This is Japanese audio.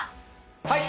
はい。